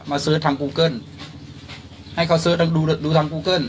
มาเสิร์ชทางกูเกิ้ลให้เขาดูดูทางกูเกิ้ล